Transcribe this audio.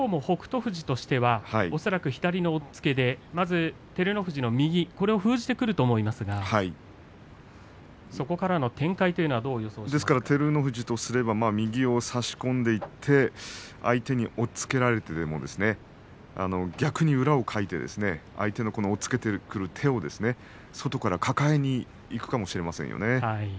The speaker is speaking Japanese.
富士としてはきょうも左の押っつけでまず照ノ富士の右を封じてくると思いますが、そこからの展開は照ノ富士としては右を差し込んでいって相手に押っつけられても逆に裏をかいて相手の押っつけてくる手を外から抱えにいくかもしれませんよね。